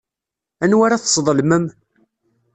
Anwa ara tesḍelmem?